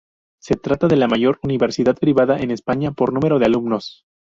Se trata de la mayor universidad privada en España, por numero de alumnos.